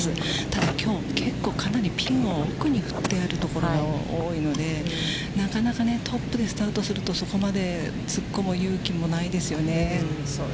ただ、きょうはピンが奥に振ってあるところが多いので、なかなかトップでスタートすると、そこまで突っ込む勇気もないですよね。